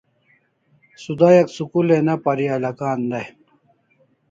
Sudayak school ai ne parialakan day